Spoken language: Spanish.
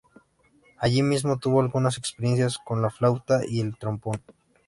Allí mismo tuvo algunas experiencias con la flauta y el trombón.